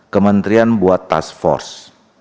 kementerian buat task force